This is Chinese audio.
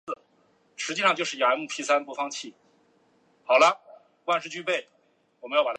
兰德福声称他的目标是帮助所有人。